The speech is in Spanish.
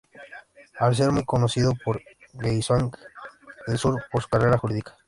Al ser muy conocido en Gyeongsang del Sur por su carrera jurídica.